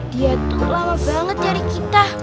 dia tuh lama banget dari kita